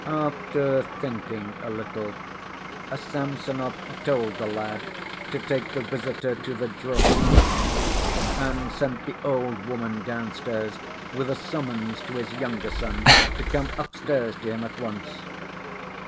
After thinking a little Samsonov told the lad to take the visitor to the drawing‐room, and sent the old woman downstairs with a summons to his younger son to come upstairs to him at once.